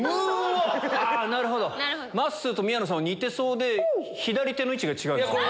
まっすーと宮野さんは似てそうで左手の位置が違う。